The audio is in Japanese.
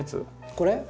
これ？